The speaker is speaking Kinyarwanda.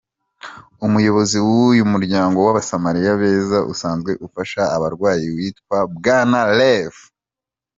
Umuyobozi w’uyu muryango w’abasamariya beza usanzwe ufasha abarwayi witwa bwana Rev.